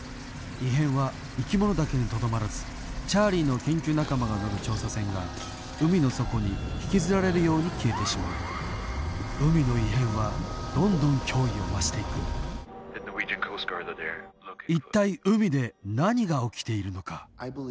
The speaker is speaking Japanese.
異変は生き物だけにとどまらずチャーリーの研究仲間が乗る調査船が海の底に引きずられるように消えてしまう海の異変はどんどん脅威を増していく一体海で何が起きているのか？